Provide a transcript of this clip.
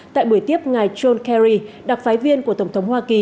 tại buổi tiếp ngài john kerry đặc phái viên của tổng thống hoa kỳ